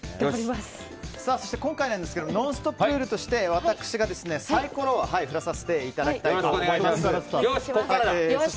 そして今回「ノンストップ！」ルールとして私がサイコロを振らさせていただきます。